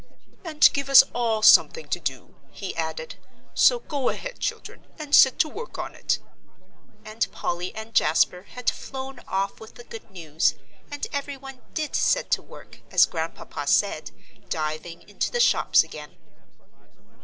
"And give us all something to do," he added, "so go ahead, children, and set to work on it." And Polly and Jasper had flown off with the good news, and every one did "set to work" as Grandpapa said, diving into the shops again.